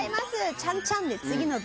チャンチャン！で次のＶ。